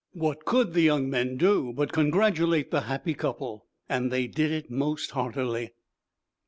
What could the young men do but congratulate the happy couple? And they did it most heartily.